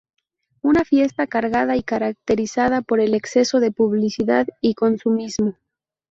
Una fiesta cargada y caracterizada por el exceso de publicidad y consumismo.